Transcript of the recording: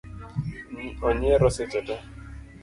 Onyiero seche tee